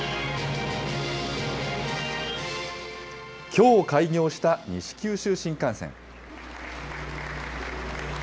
きょう開業した西九州新幹線。